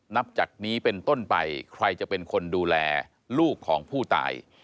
นับจากนี้เป็นต้นไปใครจะเป็นคนดูแลลูกของผู้ตาย